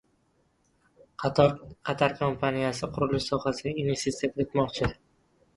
Qatar kompaniyasi qurilish sohasiga investitsiya kiritmoqchi